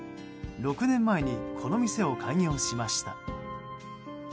６年前にこの店を開業しました。